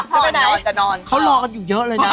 แม่จะไปไหนอ่ะแม่ต้องรีบเขารอกันอยู่เยอะเลยนะ